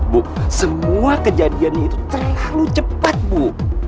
bu semua kejadian ini itu terlalu cepat bu